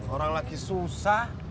orang lagi susah